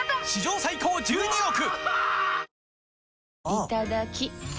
いただきっ！